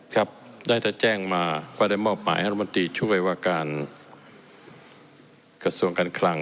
ครับได้แจ้งมาก็ได้มอบหมายธรรมดีช่วยว่าการกระทรวงการคลัง